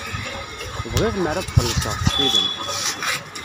Bɣiɣ mer ad xellṣeɣ, ttxil-m.